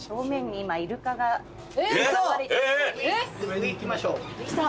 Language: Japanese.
上に行きましょう。